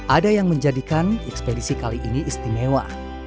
ada yang menjadikan ekspedisi kali ini istimewa